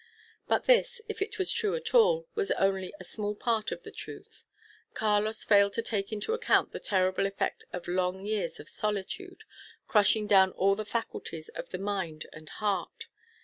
But this, if it was true at all, was only a small part of the truth. Carlos failed to take into account the terrible effect of long years of solitude, crushing down all the faculties of the mind and heart.